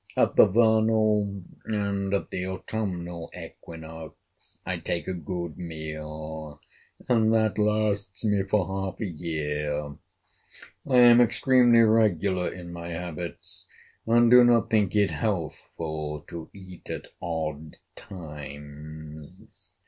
At the vernal and at the autumnal equinox I take a good meal, and that lasts me for half a year. I am extremely regular in my habits, and do not think it healthful to eat at odd times.